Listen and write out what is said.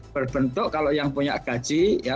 berbentuk kalau yang punya gaji